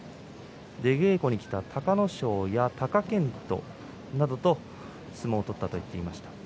出稽古に来た隆の勝や貴健斗などと相撲を取ったと言っていました。